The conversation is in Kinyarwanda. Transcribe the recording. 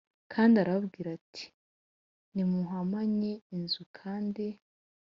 Kandi arababwira ati nimuhumanye inzu kandi